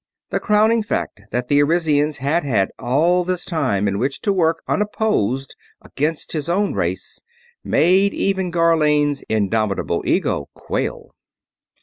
The crowning fact that the Arisians had had all this time in which to work unopposed against his own race made even Gharlane's indomitable ego quail.